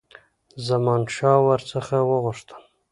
زمانشاه ور څخه وغوښتل.